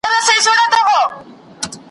سړي وویل راغلی مسافر یم ,